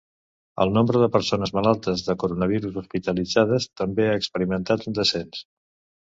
El nombre de persones malaltes de coronavirus hospitalitzades també ha experimentat un descens.